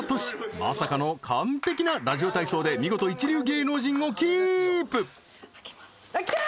まさかの完璧なラジオ体操で見事一流芸能人をキープあっ来た